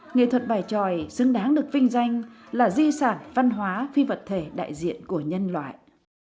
nghệ thuật bài tròi xứng đáng được vinh danh là di sản văn hóa phi vật thể đại diện của nhân loại